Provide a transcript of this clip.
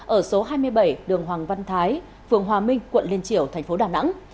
ở số hai mươi bảy đường hoàng văn thái phường hòa minh quận liên triểu thành phố đà nẵng